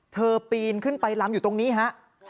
ปีนขึ้นไปลำอยู่ตรงนี้ฮะ